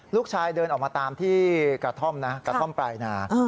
เดินออกมาตามที่กระท่อมนะกระท่อมปลายนา